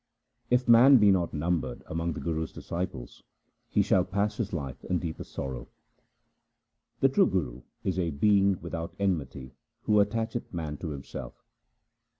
If man be not numbered among the Guru's disciples he shall pass his life in deepest sorrow. The true Guru is a being without enmity who attacheth man to himself.